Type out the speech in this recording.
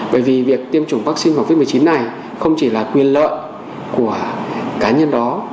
bởi vì việc tiêm chủng vaccine covid một mươi chín này không chỉ là quyền lợi của cá nhân đó